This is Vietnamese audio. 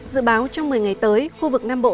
dự báo trong một mươi ngày tới khu vực nam bộ